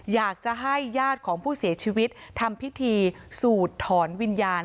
อยากจะให้ญาติของผู้เสียชีวิตทำพิธีสูดถอนวิญญาณ